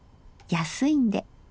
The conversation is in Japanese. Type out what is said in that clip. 安いんで。